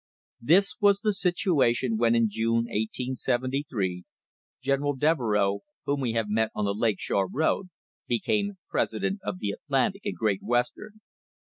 f This was the situation when 'in June, 1873, General Deve reux, whom we have met on the Lake Shore road,) became president of the Atlantic and Great Western.